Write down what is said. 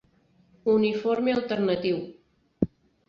Uniforme alternatiu: